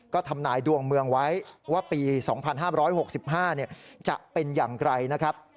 ก็ทำนายดวงเมืองไว้ว่าปี๒๕๖๕จะเป็นอย่างไรนะครับ